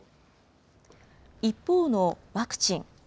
一方のワクチン。